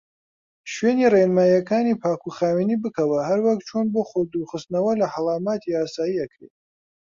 شوێنی ڕێنمایەکانی پاکوخاوینی بکەوە هەروەک چۆن بۆ خۆ دورخستنەوە لە هەڵامەتی ئاسای ئەکرێ.